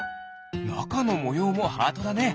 なかのもようもハートだね！